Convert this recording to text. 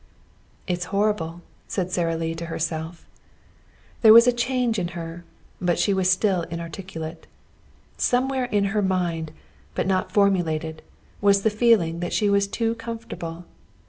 "It's horrible," said Sara Lee to herself. There was a change in her, but she was still inarticulate. Somewhere in her mind, but not formulated, was the feeling that she was too comfortable.